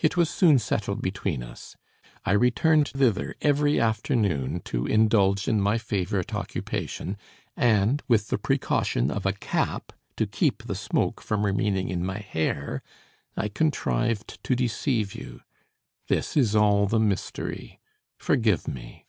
It was soon settled between us. I returned thither every afternoon, to indulge in my favorite occupation; and, with the precaution of a cap to keep the smoke from remaining in my hair, I contrived to deceive you. This is all the mystery. Forgive me."